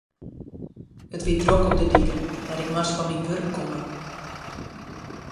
It wie drok op de diken en ik moast fan myn wurk komme.